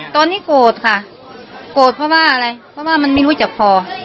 ตอนนี้โกรธค่ะโกรธเพราะว่าอะไรเพราะว่ามันไม่รู้จักพอ